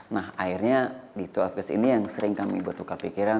nah akhirnya di dua belas kes ini yang sering kami bertukar pikiran